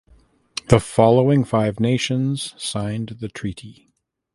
The following five nations signed the treaty.